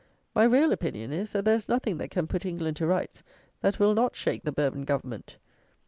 My real opinion is, that there is nothing that can put England to rights, that will not shake the Bourbon Government.